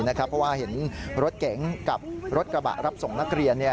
เพราะว่าเห็นรถเก๋งกับรถกระบะรับส่งนักเรียน